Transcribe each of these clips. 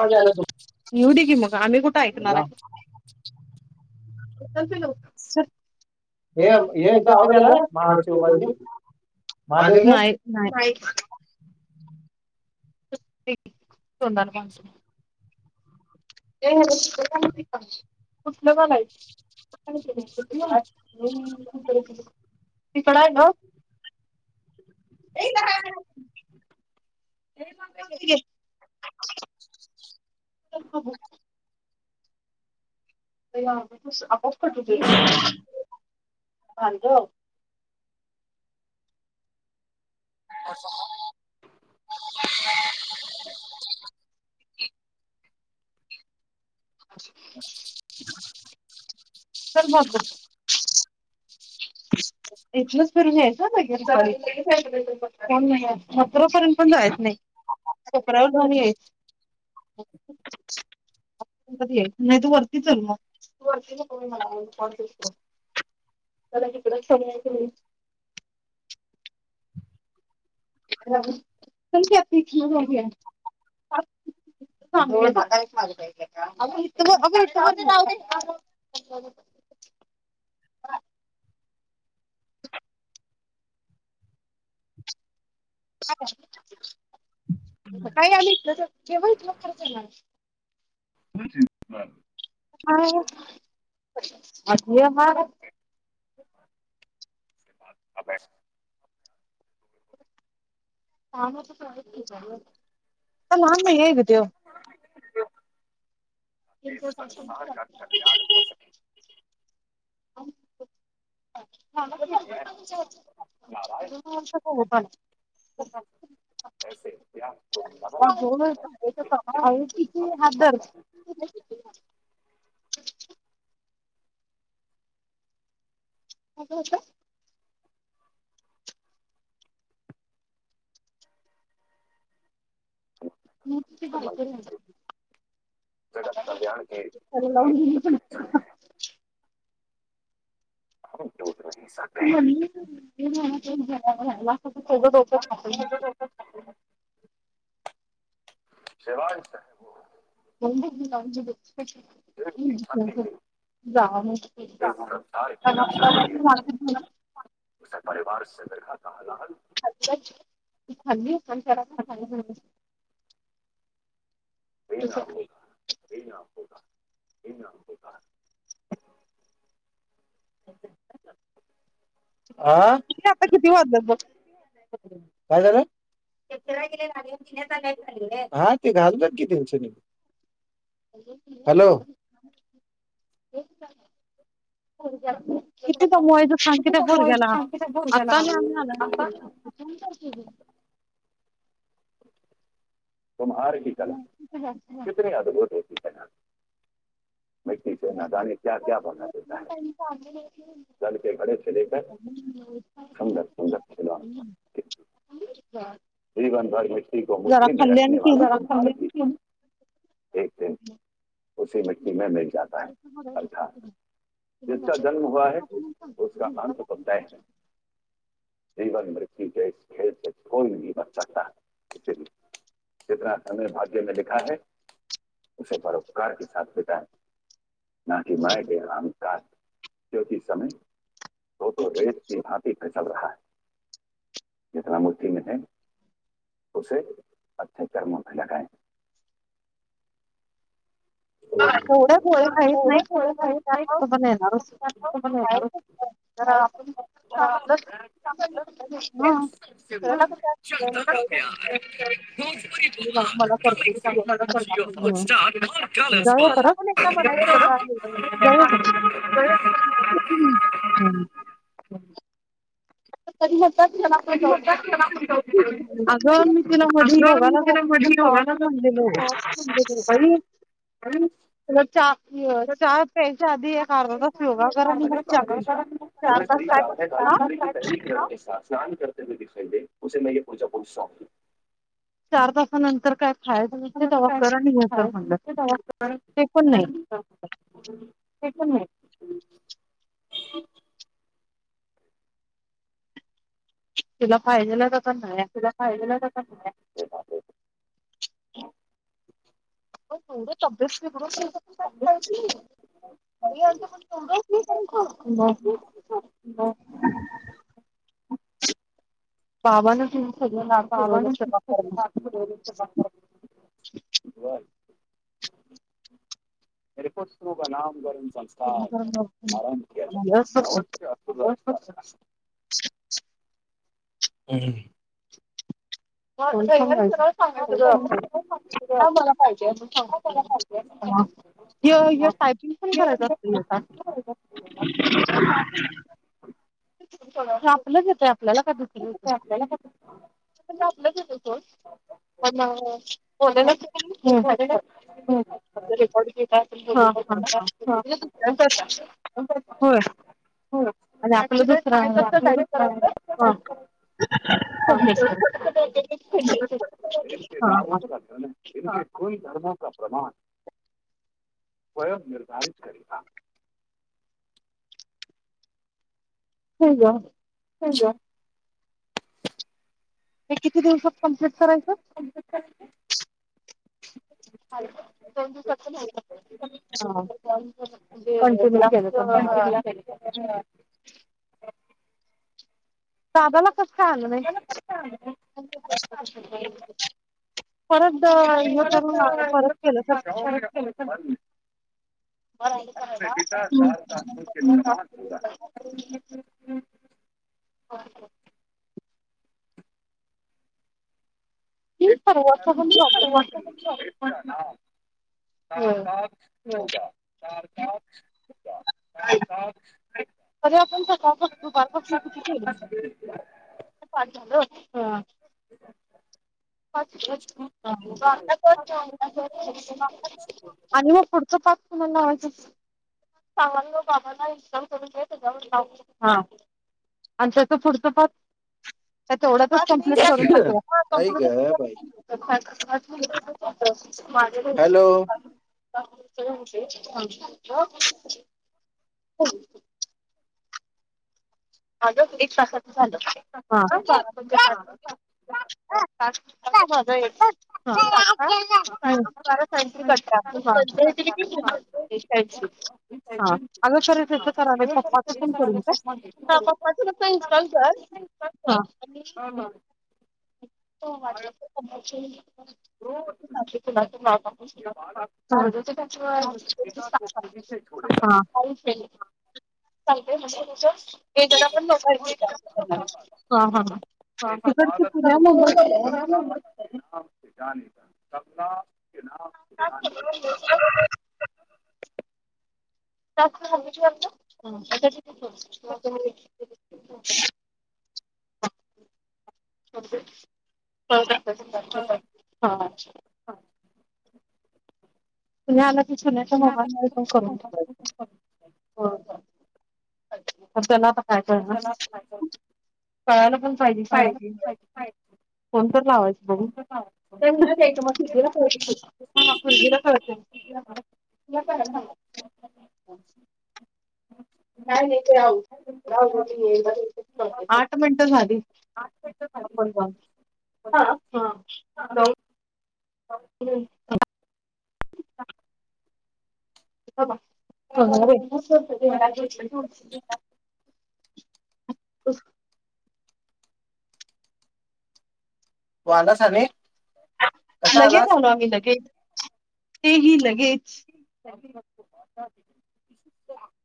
आवाज आला येउदे की मग. आम्ही कुठे ऐकणार तुमचा. आहे? हे हे [unintelligible] एकदा आवाज आला महाशिवबाजी [unintelligible] महादेवचं नाहीं. [unintelligible] [inaudible] [unintelligible] तिकडे हाय ग. [inaudible] [inaudible] रिकामा ऑडिओ रिकामा ऑडिओ रिकामा ऑडिओ [unintelligible] तर मग. रिकामा ऑडिओ इथलंच फिरून यायचं [unintelligible] पण जायच नाही [unintelligible] [unintelligible] नाय तु वरती चल मंग [unintelligible] [unintelligible] [inaudible] [unintelligible] रिकामा ऑडिओ [unintelligible] रिकामा ऑडिओ [unintelligible] [unintelligible] माम हग देव त्यांच शासनच हो सके [unintelligible] द वर्ष प अह आहे ति हादर [unintelligible] [unintelligible] कडी लावून गेली.. खोटं [unintelligible] [unintelligible] [unintelligible] ज दिलाज ब स्पशल जा मुशक उ परिवार बखातता हलाल ख खल्ली खान स खाय न आत किती [inaudible] [inaudible] आं आता किती वात लाग काय झालं ा ते घाली त्यांनी [inaudible] कितीमुळेज सांग किथ भर ग्याला आता आम्ही आला तुमारी कती जाच अ गो मिीचे नादाणी क्या क्या भरगना देताै ांली ह ती जल के घडेे कर सुंदर सुंदर हा तवारी मि्री ग रख केली एक दिन उी मिट्टी मे मिल जाता ह अठा तु म जीवन मृत्यू जश खेळी बनकता जितना तमने भाग्य मे लिखा है उे परोरोपकार के सा बिताय ना की मय गेराम का को क समय होोतो रेत क घात पे चल रहा है जित मुस्िम ह उे अ्छे कर्म पे लगय ोड्या गोळ्या नाहीहीत नाहीत पध येणारच का ज आपण हा. दुसऱ्याला कसं हो श मला परते सुरवाती म्हून कालस पाय का हम् हम त होता त्याला आपण जाऊ अगं मी तिला मध्ये योगाला जातो पण म्हणजल काई हं तला चा हा प्यायच्या आधी एक अर्धा तास योगा करा आणि मग चापी चार ब काय स्नान करते हय दिखाई दे उे म पूजा पूल शौक चार तानंतर काय खायच तेवा कर आणि हे कर म्हणलं ते पण नाही हां तेण तुला पाहिजेला तर पण नाही तुला पाहिलेला क हो तूर चबस््री गुर श खली [inaudible] बावान तिं सगळं नाम सुरोध शर्मा करम ब नपश्रु बनाम कररून संकार करायला आरं अवश्य हो ह [inaudible] सांगायचं हा मला पाहिजेण सांगाय य य टायपिंग कोण करायच अस छा आपलंच येतय आपल्याला का आपलं पण बचछ जे होय आणि आप ज साई करायचं हा ह इ को धर्मो का प्रमाण स्य निर्धारित करता हो अछा हे किती दिवसात कम्प्लीट करायचं क दोन दिवसात तर नाही हा ददाला कस आणणे परत हे करून परत केलं स [inaudible] बरं आहे आप करायला. पिता सल का सूर्य निर्माण होग हो हो ठीक आहे र वॉट्सपण प्रॉबले प ना का होय. का हो च स चार सात अरे आपण स कापास दुपारपासून किती केलल [inaudible] आणि मग पुढचा पाक तुम्हा सांग बाबाला इनस्टॉल करून घ हा आणि तस पुढचं प तेवढंच आई ग बाई कंपुटर करून हॅलो टक क माझ्या [inaudible] हज एक तासाच झालंण झा येतार सत कट [inaudible] त्यां हा अगचवर त्याच करा पप्पाचं पण करून काय ह पप्पाचे रुप इनस्टॉल कर ह ह ह वाटलं. तुला तूू. स त्याच्या. सांगते म्हणजे [inaudible] तिकडचे पु जाम जाणीलं तमना अचछ आप [inaudible] ओके. हो अच्छा. तुम् आला की सुनेच्या मोबाईल मध्ये पण करून ठेवायच. हो ना. काय ना कळायला पण पाहिजे पाहिजे. ह. कोणत लावायचं बघू? त्यारयचं मग फिला कळते पुरगीला कळते. ल का सांग. काय येते राह रा आठ मिनटं झाली. [inaudible] हा हा हम्. ेच होत. अच. तू आलास आणि कसा लगेल आलास आम्ही लगे ते ही लगेच. [inaudible]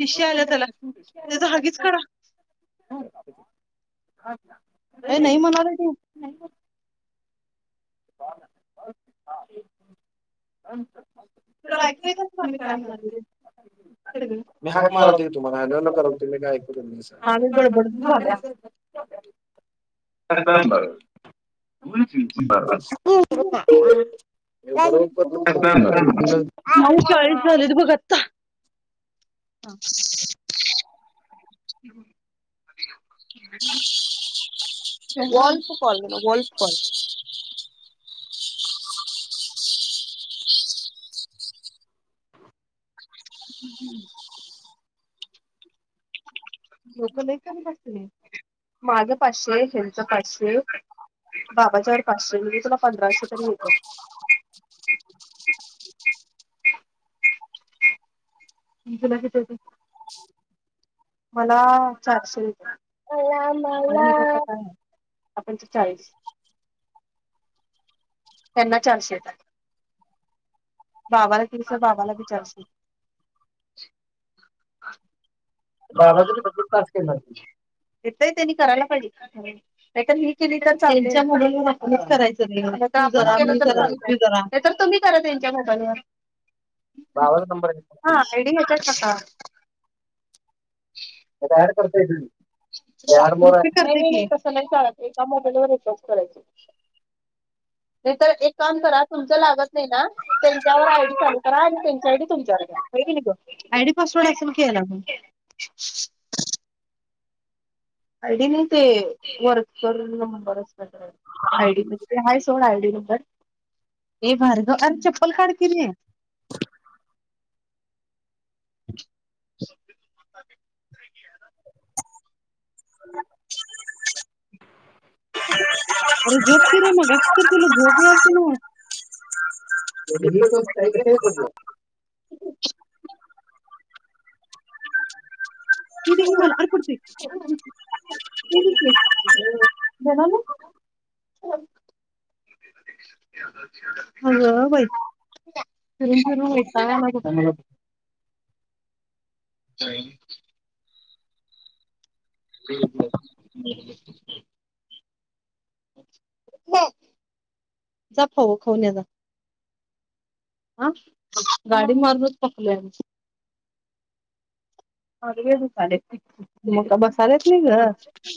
शिश्या आल्या त्याला त्याचा हगीज काढ. हो. अच्छा. अ नाही म्हणाले त. ऐकू येतंय का मी काय म्हणत होते. मी हाक मारत होती तुम्हाला हॅलो न करत तुम्ही काय ऐकू तुम्ही हा म ब बाया. बर ब [inaudible] नऊ चाळीस झाले ते बघ आता. हा. हो. [unintelligible] हम्. लोक नाही कमी बले माझं पाचशे हेच पाचशे बाबाच्यावर पाचशे म्हजे तुला पंधराशे तरी येते. तुला. मला चारशे रुपे. ह. कर काय आपण ते चाळीस त्यांना चारशे येतात बावाला दिवस बाबाला बी चारशे. बाबाचा बघितलाच केला त्यांनी करायला पाहिजे. नाही हे केली तर चाईच्या मु नक्कीच करायचं. नाही तर तुम्ही करा त्यांच्या मोबाईलवर बाबाचा नंबर आहे हा आयडीच्याका. प ऍड करता येते कर. ऍड मोर का आहे करायच नाहीतर एक काम करा. तुमच लागत नाही ना त्यांच्यावर आयडी सेड करा आणि त्यांची आयडी तुमच्यावर घ्या. आय डी पासवर्ड एक्सन केला म. आयडी नाही ते वर्कर नंबर. आय डी म्हणजे आहेय सोड आय डी नंतर. ए भार्गव आणिर चप्पल काढ केली स [inaudible] [inaudible] अरे झोबकीिरे मग अस किरतीला दोब याती ना य त स [inaudible] इे उमला अकडत क ब ना अ बाय फिरून फिरून व हो ब ब जा फव खाऊ न जा हा गाडी मारूनच पकल आम् ले मग बसा याला नाही ग